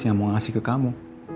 yang mau ngasih ke kamu